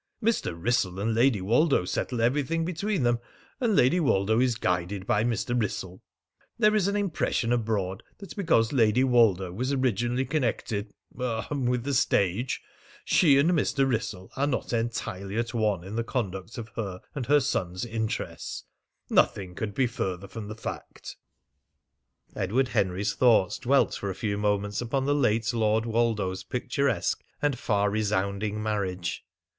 "Mr. Wrissell and Lady Woldo settle everything between them, and Lady Woldo is guided by Mr. Wrissell. There is an impression abroad that because Lady Woldo was originally connected er with the stage, she and Mr. Wrissell are not entirely at one in the conduct of her and her son's interests. Nothing could be further from the fact." Edward Henry's thoughts dwelt for a few moments upon the late Lord Woldo's picturesque and far resounding marriage.